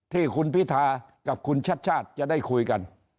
ที่คุณพิธากับคุณชัดชาติจะได้คุยกัน